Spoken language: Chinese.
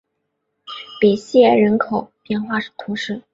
比西埃人口变化图示